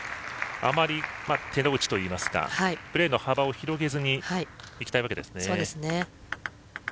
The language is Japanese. あまり手の内といいますかプレーの幅を広げずにいきたいわけですね。